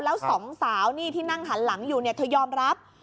แล้วสองสาวนี่ที่นั่งหันหลังอยู่เนี่ยเธอยอมรับ